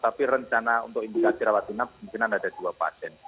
tapi rencana untuk indikasi rawatinap mungkin ada dua pasien